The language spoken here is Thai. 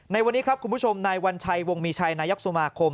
ในวันนี้ครับคุณผู้ชมนายวัญชัยวงมีชัยนายกสมาคม